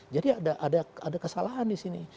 jadi ada kesalahan di sini